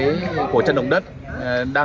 nạn nhân của những trận đồng đất